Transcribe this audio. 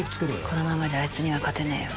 このままじゃあいつには勝てねぇよ